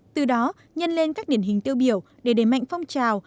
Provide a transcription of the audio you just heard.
từ đó nhân lên các điển hình tiêu biểu để đề mạnh phong trào